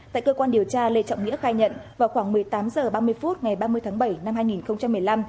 tại cơ quan điều tra lê trọng nghĩa khai nhận vào khoảng một mươi tám h ba mươi phút ngày ba mươi tháng bảy năm hai nghìn một mươi năm